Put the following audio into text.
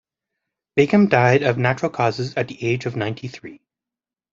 Bigham died of natural causes at the age of ninety-three.